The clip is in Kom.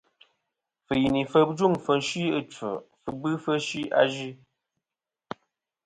Fɨ̀yìnì fɨ jûŋfɨ̀ fsɨ ɨchfɨ, fɨ bɨfɨ fsɨ azue.